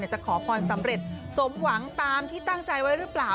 จะขอพรสำเร็จสมหวังตามที่ตั้งใจไว้หรือเปล่า